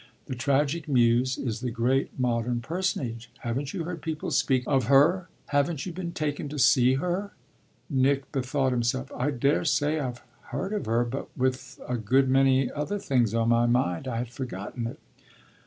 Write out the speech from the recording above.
The Tragic Muse is the great modern personage. Haven't you heard people speak of her, haven't you been taken to see her?" Nick bethought himself. "I daresay I've heard of her, but with a good many other things on my mind I had forgotten it."